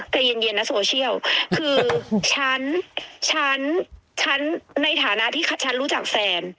ใจเย็นนะโซเชียลคือฉันฉันในฐานะที่ฉันรู้จักแฟน